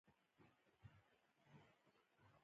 بزګان د افغانانو د ژوند طرز په کلکه اغېزمنوي.